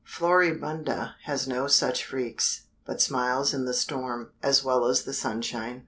Floribunda has no such freaks, but smiles in the storm, as well as the sunshine.